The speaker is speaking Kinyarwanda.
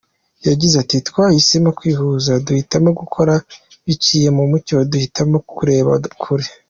Yagize ati “Twahisemo kwihuza, duhitamo gukora biciye mu mucyo, duhitamo kureba kure.